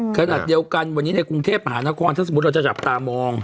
คืออันเดียวกันวันนี้ในกรุงเทพฯอาหารกรรมถ้าสมมติเราจะจับตามอง